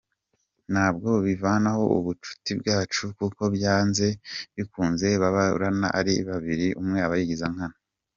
Ntabwo bivanaho ubushuti bwacu kuko byanze bikunze ababurana ari babiri umwe aba yigiza nkana.